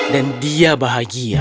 dan dia bahagia